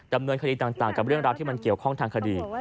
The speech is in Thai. ดำเนินคดีต่างกับเรื่องราวที่มันเกี่ยวข้องทางคดี